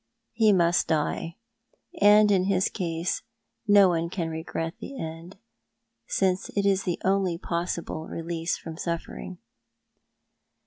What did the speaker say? " He must die. And in his case no one can regret the end, since it is the only possible release from suffering."